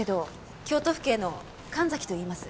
京都府警の神崎といいます。